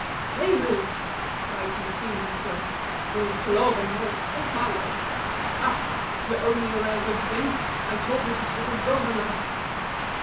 "Famous!" cried he, feeling the silk. "You'll floor them, I stake my life! Ah! you owe me a rare good thing; I told you this was a golden affair!"